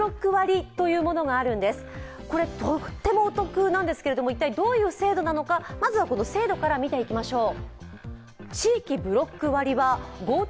とってもお得なんですけども、どんな制度なのかまずは制度から見ていきましょう。